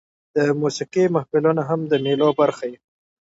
د موسیقۍ محفلونه هم د مېلو برخه يي.